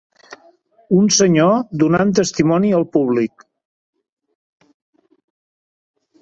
Un senyor donant testimoni al públic.